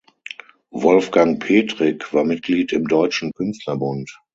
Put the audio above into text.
Wolfgang Petrick war Mitglied im Deutschen Künstlerbund.